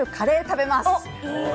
お昼カレー食べます。